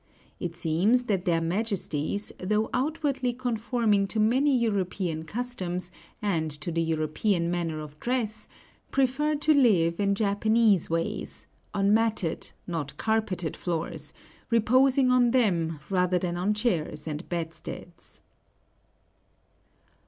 It seems that their majesties, though outwardly conforming to many European customs, and to the European manner of dress, prefer to live in Japanese ways, on matted, not carpeted floors, reposing on them rather than on chairs and bedsteads.